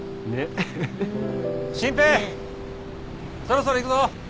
そろそろ行くぞ。